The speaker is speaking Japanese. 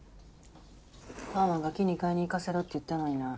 パンはガキに買いに行かせろって言ったのにな。